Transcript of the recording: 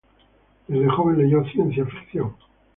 Desde joven leyó ciencia ficción.